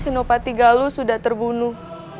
senopati galus sudah terbunuh